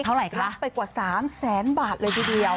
เท่าไหร่คะรับไปกว่า๓แสนบาทเลยทีเดียว